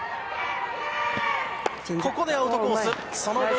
ここでアウトコース。